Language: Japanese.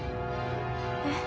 えっ？